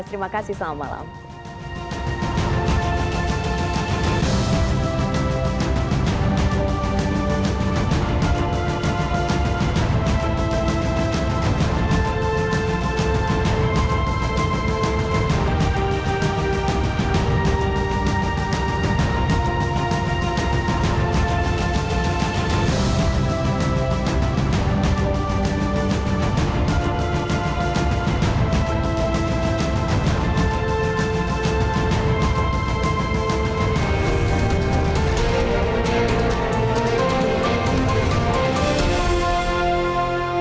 terima kasih selama malam